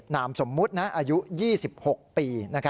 นามสมมุติอายุ๒๖ปี